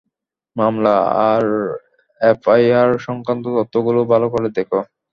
মামলা আর এফআইআর সংক্রান্ত তথ্য গুলো ভালো করে দেখো।